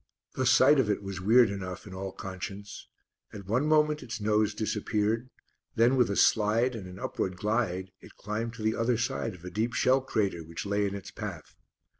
The sight of it was weird enough in all conscience. At one moment its nose disappeared, then with a slide and an upward glide it climbed to the other side of a deep shell crater which lay in its path.